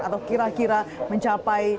atau kira kira mencapai